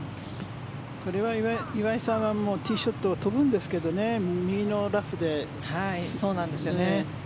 これは、岩井さんはティーショット飛ぶんですけどそうなんですよね。